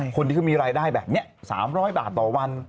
คนที่เขามีรายได้แบบนี้๓๐๐บาทต่อวัน